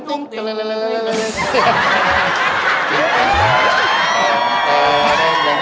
จันทร์ดีจันทร์บริเวณ